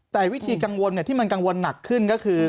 แต่วิธีกังวลที่มันกังวลหนักขึ้นก็คือ